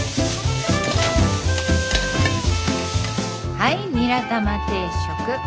はいニラ玉定食。